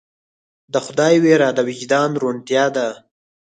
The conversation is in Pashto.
د خدای ویره د وجدان روڼتیا ده.